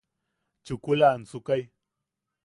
Chukula ansukai.